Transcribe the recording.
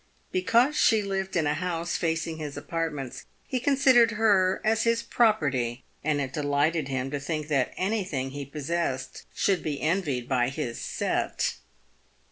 Because she lived in a house facing his apart ments, he considered her as his property, and it delighted him to think that anything he possessed should be envied by his set.